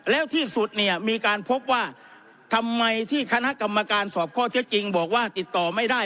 แล้วที่สุดเนี่ยมีการพบว่าทำไมที่คณะกรรมการสอบข้อเท็จจริงบอกว่าติดต่อไม่ได้